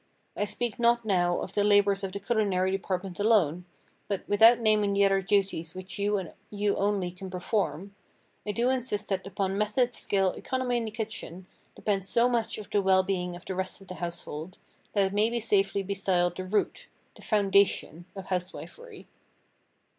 I speak not now of the labors of the culinary department alone; but, without naming the other duties which you and you only can perform, I do insist that upon method, skill, economy in the kitchen, depends so much of the well being of the rest of the household, that it may safely be styled the root—the foundation of housewifery.